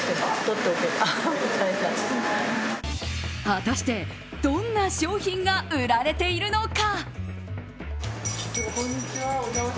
果たしてどんな商品が売られているのか。